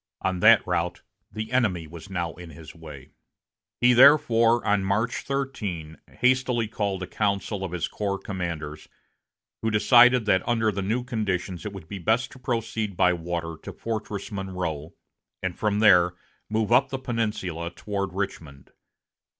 On that route the enemy was now in his way. He therefore, on March 13, hastily called a council of his corps commanders, who decided that under the new conditions it would be best to proceed by water to Fortress Monroe, and from there move up the Peninsula toward Richmond.